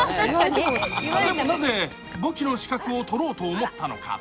でもなぜ、簿記の資格を取ろうと思ったのか？